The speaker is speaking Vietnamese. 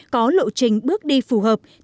có lộ trình bước đi phù hợp